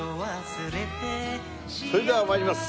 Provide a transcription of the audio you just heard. それでは参ります。